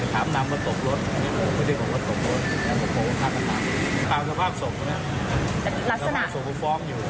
ตามสภาพศพสภาพศพฟอร์มอยู่